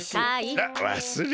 あっわすれてた。